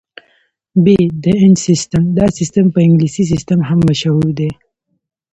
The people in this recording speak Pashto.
ب - د انچ سیسټم: دا سیسټم په انګلیسي سیسټم هم مشهور دی.